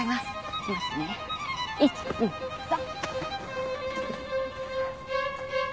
いきますね１２３。